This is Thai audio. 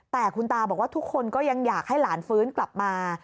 แต่คุณตาบอกว่าทุกคนก็ยังอยากให้หลานฟื้นกลับมา